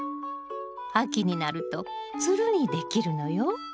秋になるとつるにできるのよ。